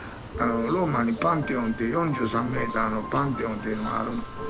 ローマにパンテオンっていう４３メーターのパンテオンっていうのがあるの。